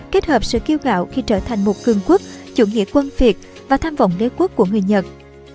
kết hợp sự kiêu gạo khi trở thành một cường quốc chủ nghĩa quân việt và tham vọng đế quốc của người nhật